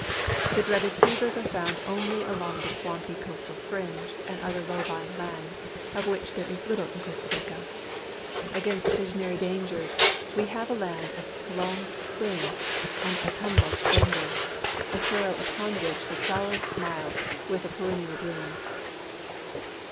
The dreaded fevers are found only along the swamp}^ coastal fringe and other low lying land, of which there is little in Costa Rica. Against visionary dangers we have a land of prolonged spring and autumnal splendor— a soil upon which the flowers smile with perennial bloom.